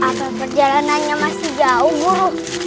apa perjalanannya masih jauh guru